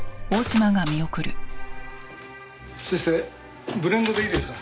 先生ブレンドでいいですか？